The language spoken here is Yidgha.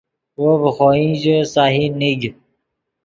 وو ڤے خوئن ژے سہی نیگ